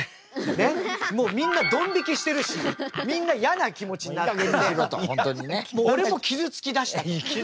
ねっもうみんなドン引きしてるしみんなやな気持ちになっててもう俺も傷つきだしたと。